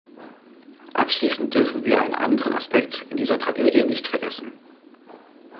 Abschließend dürfen wir einen anderen Aspekt in dieser Tragödie nicht vergessen.